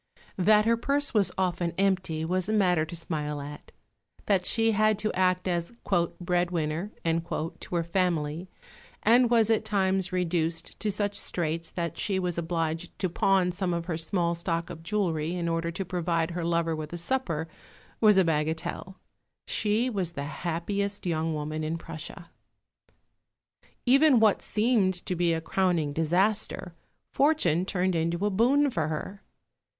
That her purse was often empty was a matter to smile at; that she had to act as "breadwinner" to her family, and was at times reduced to such straits that she was obliged to pawn some of her small stock of jewellery in order to provide her lover with a supper, was a bagatelle. She was the happiest young woman in Prussia. Even what seemed to be a crowning disaster, fortune turned into a boon for her.